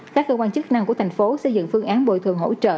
các cơ quan chức năng của thành phố xây dựng phương án bồi thường hỗ trợ